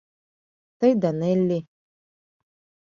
— Тый да Нелли.